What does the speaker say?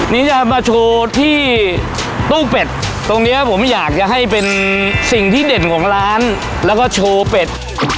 นี่จะมาโชว์ที่ตู้เป็ดตรงเนี้ยผมอยากจะให้เป็นสิ่งที่เด่นของร้านแล้วก็โชว์เป็ด